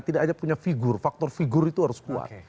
tidak hanya punya figur faktor figur itu harus kuat